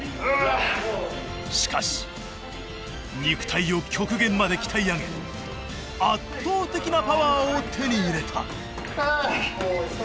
しかし肉体を極限まで鍛え上げ圧倒的なパワーを手に入れた。